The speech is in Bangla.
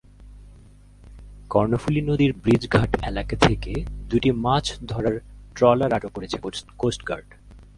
কর্ণফুলী নদীর ব্রিজঘাট এলাকা থেকে দুটি মাছ ধরার ট্রলার আটক করেছে কোস্টগার্ড।